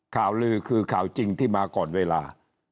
ข่าวลือคือข่าวจริงที่มาก่อนเวลา